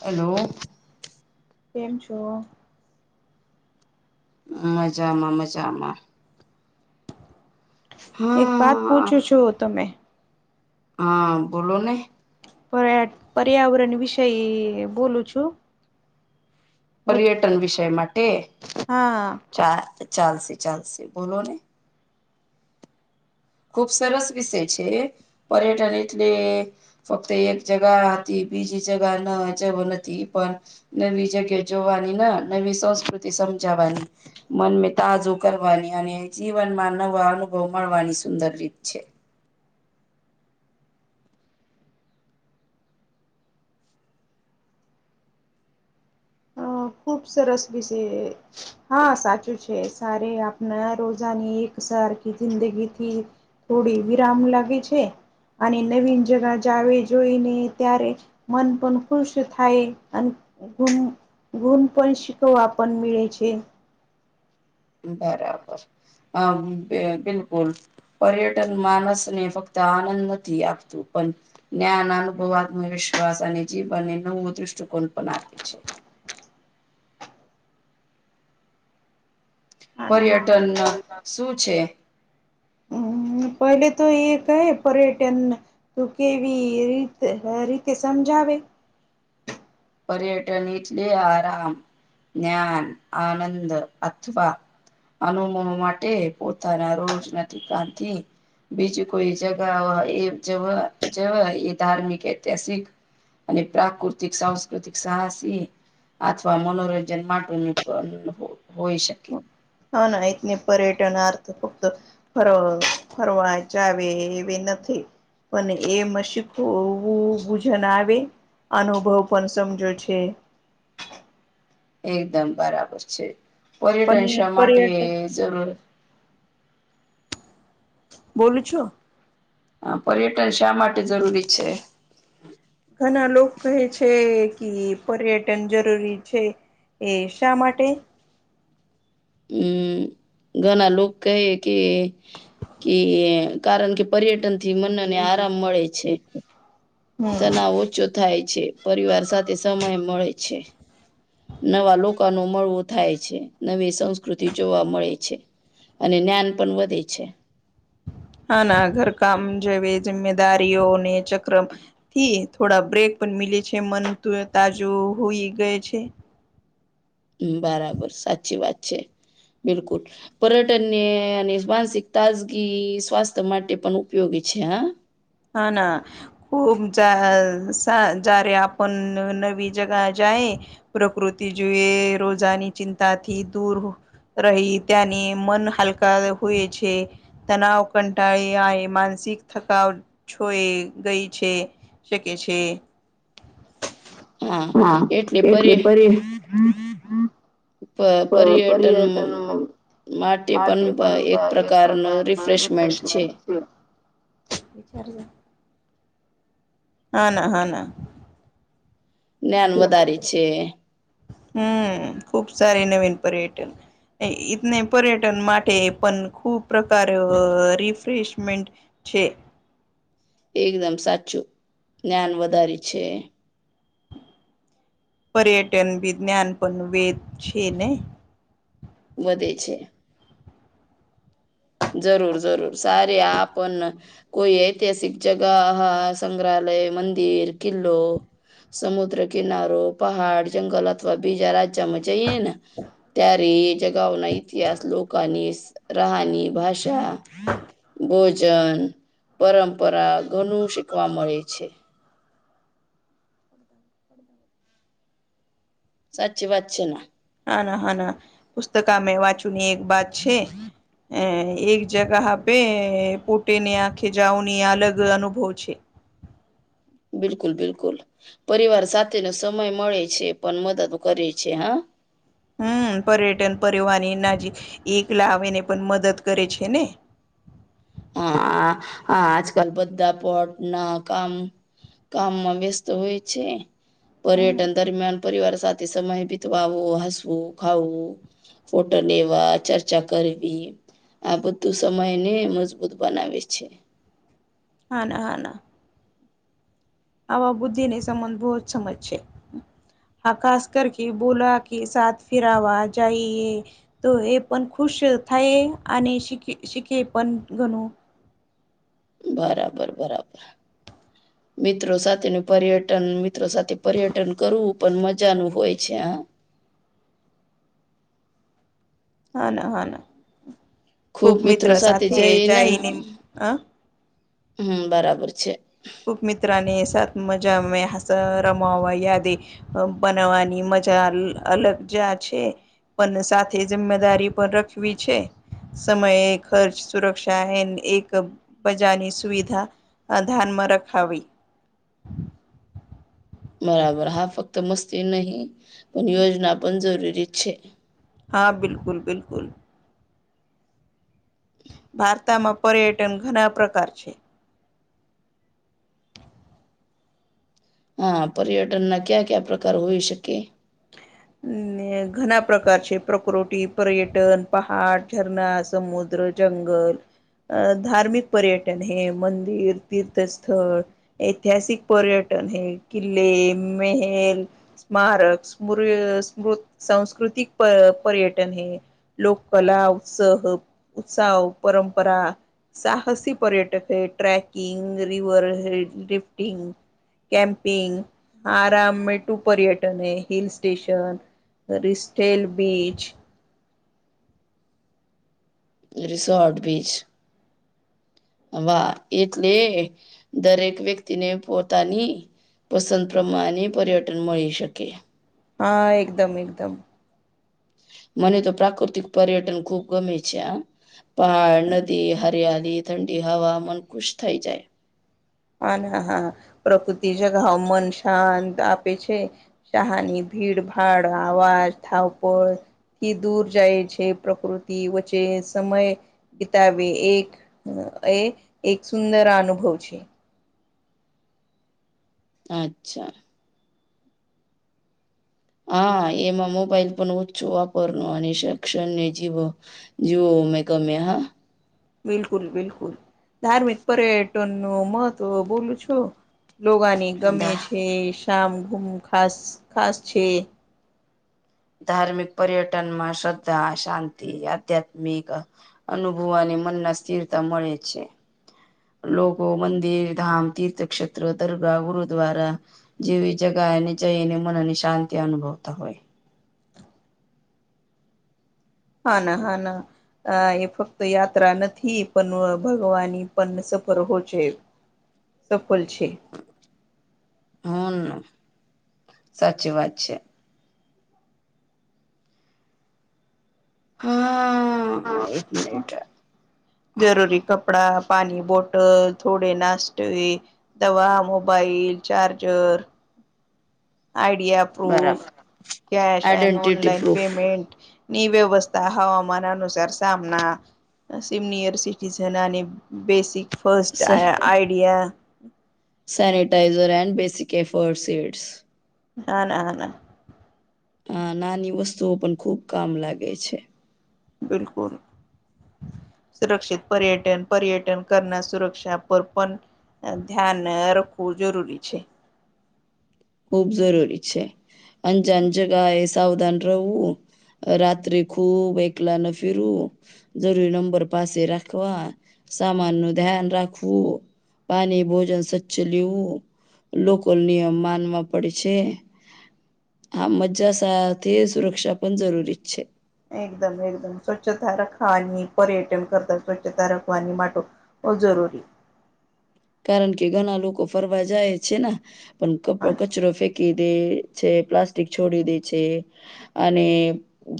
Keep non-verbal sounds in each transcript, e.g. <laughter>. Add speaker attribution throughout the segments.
Speaker 1: Hello
Speaker 2: કેમ છો
Speaker 1: મજામાં મજામાં
Speaker 2: એક વાત
Speaker 1: હા
Speaker 2: પૂછું છું તમે
Speaker 1: હા બોલો ને
Speaker 2: પર્યા પર્યાવરણ વિષય બોલું છુ.
Speaker 1: પર્યટન વિષય માટે
Speaker 2: હા
Speaker 1: ચા ચાલશે ચાલશે બોલો ને ખુબ સરસ વિષય છે, પર્યટન એટલે ફક્ત એક જગા હતી બીજી જગા ન જેવ નથી પણ નવી જગ્યા જોવાની નવી સંસ્કૃતિ સમજાવાની મન તાજુ કરવાની અને જીવનમાં નવા અનુભવ મળવાની સુંદર રીત છે.
Speaker 2: અ ખૂબ સર રસ બી છે. હા સાચું છે સારે આપના રોજાની એક સરારખી જિંદગીથી થોડી વિરામ લાગે છે. અને નવીન જગા જાવ જોઈને ત્યારે મન પણ ખુશ થાય અનેમ ગુણ પણ શિકવ પણ મેળ છે.
Speaker 1: બરાબર હ બિલકુલ પર્યટન માણસને ફક્ત આનંદ નથી આપતું પણ જ્ઞાન અનુભવ આત્મવિશ્વાસ અને જીવનને નવો દ્રષ્ટિકોણ પણ આપે છે.
Speaker 2: હા ના હા ના
Speaker 1: પર્યટન શું છે.
Speaker 2: હમ પહેલે તો એક હ પર્યટન તું કેવી રીત રીતે સમજાવે
Speaker 1: પર્યટનલે આરામ જ્ઞાન આનંદ અથવા અનુમ માટે પોતાના રોજ નથી કથી બીજું કોઈ જગા એ જવા જવા એ ધાર્મિક ઐતિહાસિક અને પ્રાકૃતિક સંસ્ પ્રાકૃતિક સાહસી અથવા મનોરંજન માટે પણ હોય શકે
Speaker 2: હા, ના એ ન પર્યટન અર્થ ફક્ત ફર ફરવા જાવ એવી નથી. પણ એ મશીખવું ગૂજન આવે અનુભવ પણ સમજો છે.
Speaker 1: એકદમ બરાબર છે પર્યટન
Speaker 2: પણ
Speaker 1: શા માટે
Speaker 2: પર્યટન
Speaker 1: જરૂર
Speaker 2: બોલું છો.
Speaker 1: હા પર્યટન શા માટે જરૂરી છે.
Speaker 2: ઘણા લોકો કહે છે કે પર્યટન જરૂરી છે. એ શા માટે
Speaker 1: હમ ઘણા લોકો કહે કે કે કારણ કે પર્યટન થી મનને આરામ મળે છે.
Speaker 2: હમ
Speaker 1: તના ઓછો થાય છે પરિવાર સાથે સમય મળે છે. નવા લોકો નો મળવો થાય છે, નવી સં સંસ્કૃતિ જોવા મળે છે અને જ્ઞાન પણ વધે છે.
Speaker 2: હ ના ઘરકામ જેવી જિમ્મેદારીઓને ચક્ર થી થોડા બ્રેક પણ મીલે છે મન તાજું હોઈ ગય છે.
Speaker 1: હ બરાબર સાચી વાત છે બિલકુલ પર્યટન ને અને માનસિક તાજગી સ્વાસ્થ્ય માટે પણ ઉપયોગી છે, હા
Speaker 2: હાના <unintelligible> જ્યારે આપણ નવી જગા જાએ પ્રકૃતિ જોએ રોજાની ચિંતાથી દૂર રહી ત્યાંની મન હલકા હોય છે તનાવ કંટાળી આ માનસિક થકાવ છોય ગઈ છે શકે છે હા એટલે પર પ પર્યટન માટે પણ એક પ્રકારના રિફ્રેશમેન્ટ છે વિચારજો હા ના હા ના
Speaker 1: જ્ઞાન વધારે છે
Speaker 2: હમ ખુબ સારી નવીન પર્યટન એ ઇતને પર્યટન માટે પણ ખૂબ પ્રકાર રિફ્રેશમેન્ટ છે
Speaker 1: એકદમ સાચું જ્ઞાન વધારે છે
Speaker 2: પર્યટન વિજ્ઞાન પણ વેદ છે ને
Speaker 1: વધે છે જરૂર જરૂર સારી આપણ કોઈ ઐતિહાસિક જગહ હા સંગ્રહાલય મંદિર કિલ્લો સમુદ્ર કિનારો પહાડ જંગલ અથવા બીજા રાજ જમ જઈ ને ત્યારે એ જગાઓ ના ઇતિહાસ લોકોની રાહાની ભાષા ભોજન પરંપરા ઘણું શીખવા મળે છે
Speaker 2: <inaudible>
Speaker 1: સાચી વાત છે ના
Speaker 2: હા ના હા ના પુસ્તકમે વાંચુંની એક વાત છે એ એક જગા આપે પોટેને આંખે જાઉવની અલગ અનુભવ છે
Speaker 1: બિલકુલ બિલકુલ પરિવાર સાથેનો સમય મળે છે પણ મદદ કરે છે હા
Speaker 2: હમ પર્યટન પરિહન એ નાજી એકલા આવીને પણ મદદ કરે છે ને
Speaker 1: હા હા આજકાલ બધા પોટ ના કામ કામમાં વ્યસ્ત હોય છે
Speaker 2: હમ
Speaker 1: પર્યટન દરમિયાન પરિવાર સાથે સમય બીતવાવો હસવું ખાવું ફોટો લેવા ચર્ચા કરવી આ બધું સમય ને મસ બધું બનાવેે છે
Speaker 2: હા ના હા ના આવા બુદ્ધિને સંબંધ બહુ જ સમજ છે હા ખાસ કર કે બોલા કે સાથ ફિરવા જઈએ તો એ પણ ખુશ થાય અને શીખી શીખે પણ ઘણું
Speaker 1: બરાબર બરાબર મિત્રો સાથેનું પર્યટન ત્ર સાથે પર્યટન કરવું પણ મજાનું હોય છે હ
Speaker 2: હા ના હા ના ખુબ મિત્ર સાથે જાયને હ
Speaker 1: હમ બરાબર છે
Speaker 2: ખૂબ મિત્રાને સાત મજા મે હસ રમાવા યાદી બનાવાની મજા અલગ જા છે. પણ સાથે જિમ્મેદારી પણ રખવી છે સમયે ખર્ચ સુરક્ષા એ એક બજાની સુવિધા ધ્યાન માર્ગ ટખાવી <inaudible>
Speaker 1: બરાબર હા ફક્ત મસ્તી નહી પણ યોજના પણ જરૂરી છે
Speaker 2: હા બિલકુલ બિલકુલ. ભારતમાં પર્યટન ઘણા પ્રકાર છે.
Speaker 1: હા પર્યટન ના ક્યા ક્યા પ્રકાર હોઈ શકે.
Speaker 2: ને ઘણા પ્રકાર છે પ્રકૃતિ પર્યટન પહાડ ઝરણા સમુદ્ર જંગલ અ ધાર્મિક પર્યટન હે મંદિર તીર્થસ્થળ ઐતિહાસિક પર્યટન હે કિલ્લે મેહેલ સ્મારક સમુ <unintelligible> સા સાંસ્કૃતિક પ પર્યટન હૈ. લોક કલા ઉત્સહ ઉત્સવ પરંપરા સાહસી પર્યટક હૈ ટ્ર્રેકિંગ રીવર હૈ લિફ્ટિંગ. કેમ્પિંગ આરામ મે ટુ પર્યટન હૈ હિલ્સ સ્ટેશન રિસ્ટસ્ટેલ બીચ
Speaker 1: રિસોર્ટ બીચ. વાહ એટલે દરેક વ્યક્તિને પોતાની પસંદ પ્રમાણે પર્યટન મળી શકે.
Speaker 2: હા એકદમ એકદમ.
Speaker 1: મને તો પ્રાકૃતિક પર્યટન ખુબ ગમે છે આ પહાડ નદી હડીયાળી ઠંડી હવા મન ખુશ થઈ જાય.
Speaker 2: હા ના હા પ્રકૃતિ જગાવ મન શાંત આપે છે. શહાની ભીડભાડ આવાજ થાવપોળ થી દૂર જાય છે પ્રકૃતિ વચ્ચે સમય બિતાવે એક એ એક સુંદર અનુભવ છે.
Speaker 1: અચ્છા. હા એમાં મોબાઈલ પણ ઓછું વાપરવાની અને શૈક્ષણ્ય ને જીવો જીવો મેં ગમ્યા હા.
Speaker 2: બિલકુલ બિલકુલ ધાર્મિક પર્યટન નો મહત્વ બોલું છો. લોગને ગમે
Speaker 1: ધા
Speaker 2: છે શમ ગુમ ખાસ ખાસ છે.
Speaker 1: ધાર્મિક પર્યટન માં શ્રદ્ધા શાંતિ આધ્યાત્મિક આ અનુભવાની મન ના સ્થિરતા મળે છે. લોગો મંદિર ધામ તીર્થક્ષેત્ર દરગાહ ગુરુ દ્વારા જેવી જગા એને જઈને મનને શાંતિ અનુભવતા હોય.
Speaker 2: હા ના હા ના. આ એ ફક્ત યાત્રા નથી પણ ભગવાની પણ સફર હો છે. સફલ છે.
Speaker 1: હન સાચી વાત છે. હા એક મિનિટ <unintelligible>
Speaker 2: જરૂરી કપડા પાણી બોટલ થોડે નાસ્તવે દવા મોબાઈલ ચાર્જર આઈડિયા પ્રુફ
Speaker 1: બરાબર
Speaker 2: case and
Speaker 1: identity
Speaker 2: online
Speaker 1: proof
Speaker 2: payment. ની વ્યવસ્થા હવામાન અનુસાર સામના સિનિયર સિટીઝન ની બેસિક ફાસ્ટ આ આઈડિયા
Speaker 1: સેનિટાઈઝર એન્ડ બેઝિક એફર્ડસેષ્ઠ.
Speaker 2: હા ના હ ના.
Speaker 1: આ નાની વસ્તુઓ પણ ખુબ કામ લાગે છે.
Speaker 2: બિલકુલ. સુરક્ષિત પર્યટન પર્યટન કરના સુરક્ષા પર પણ ના ધ્યાન રાખવું જરૂરી છે.
Speaker 1: ખુબ જરૂરી છે અંજાન જગા એ સાવધાન રહેવું. રાત્રે ખૂબ એકલાના ફીરવુ. જરૂરી નંબર પાસે રાખવા સામાન નું ધ્યાન રાખવું. પાણી ભોજન સ્વચ્છ લેવું લોકો નિયમ માનવા પડી છે હા મજા સાથે સુરક્ષા પણ જરૂરી જ છે.
Speaker 2: એકદમ એકદમ સ્વચ્છતા રખવાની પર્યટન કરતા સ્વચ્છતા રાખવાની માટો. બ જરૂરી
Speaker 1: કારણ કે ઘણા લોકો ફરવા જાય છે ને પણ કચરો ફેંકી દે છે પ્લાસ્ટિક છોડી દે છે અને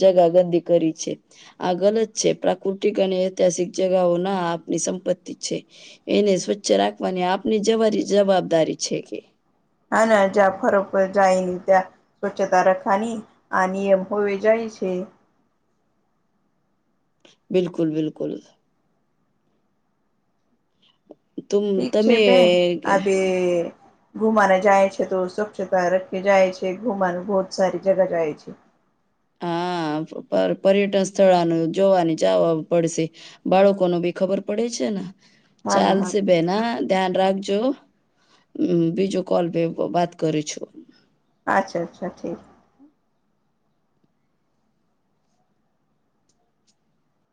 Speaker 1: જગા ગંદી કરી છે. આ ગલત છે પ્રાકૃતિક અને ઐતિહાસિક જગાઓ ના આપની સંપત્તિ છે. એને સ્વચ્છ રાખવાની આપની જરી જવાબદારી છે કે.
Speaker 2: હા ના જ્યાં ફરક જાય ન ત્યાં સ્વચ્છતા રખવાની આ નિયમ હોવે જાય છે.
Speaker 1: બિલકુલ બિલકુલ તુમ
Speaker 2: ઠીક છે
Speaker 1: તમે
Speaker 2: બેન અભે ઘુમા ના જાય છે તો સ્વચ્છતા રખે જાય છે ઘુમાનું બહુત સારી જગ જાય છે
Speaker 1: હા પર્યટન સ્થળાનું જોવાની જવા પડશે. બાળકો ન બી ખબર પડે છે ને
Speaker 2: હા ના
Speaker 1: ચાલસ
Speaker 2: હા
Speaker 1: બેેના ધ્યાન રાખજો બીજું કોલ ભ વાત કરી છો.
Speaker 2: અચ્છા અચ્છા ઠીક